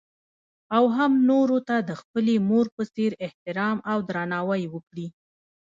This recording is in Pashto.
او هـم نـورو تـه د خـپلې مـور پـه څـېـر احتـرام او درنـاوى وکـړي.